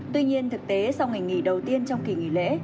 tuy nhiên thực tế sau ngày nghỉ đầu tiên trong kỳ nghỉ lễ